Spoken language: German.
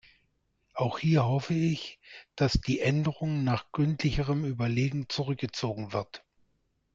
Auch hier hoffe ich, dass die Änderung nach gründlicherem Überlegen zurückgezogen wird.